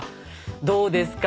どうですか？